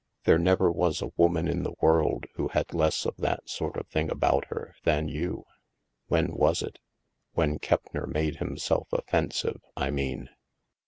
" There never was a woman in the world who had less of that sort of thing about her, than you — When was it? When Keppner made himself offen sive, I mean."